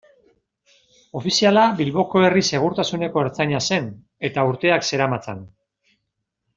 Ofiziala Bilboko herri-segurtasuneko ertzaina zen, eta urteak zeramatzan.